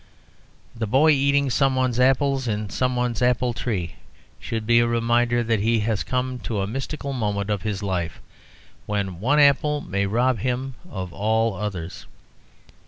The boy eating some one's apples in some one's apple tree should be a reminder that he has come to a mystical moment of his life, when one apple may rob him of all others.